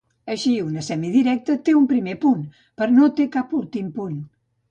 Així, una semirecta té un primer punt, però no té cap últim punt.